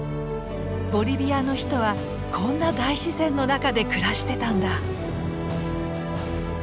ボリビアの人はこんな大自然の中で暮らしてたんだ。